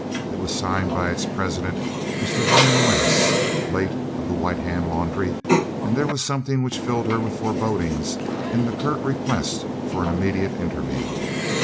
It was signed by its President, Mr. Vernon Wentz, late of the White Hand Laundry, and there was something which filled her with forebodings in the curt request for an immediate interview.